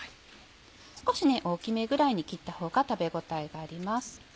少し大きめぐらいに切った方が食べ応えがあります。